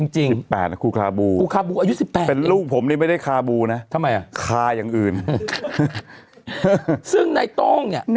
จริงคูคาบูคูคาบูอายุ๑๘นิดหนึ่งเป็นลูกผมนี่ไม่ได้คาบูนะคาอย่างอื่นซึ่งในต้องเนี่ย